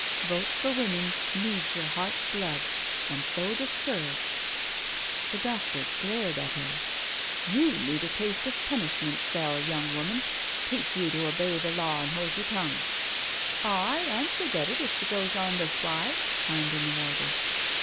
* Votes for Women ' needs your heart's blood, and so does courage." The doctor glared at her. " You need a taste of the punishment cell, young BEHIND PRISON BARS 261 woman— teach you to obey the law and hold your tongue." " Aye, and she'll get it if she goes dn this way/' chimed in the wardress.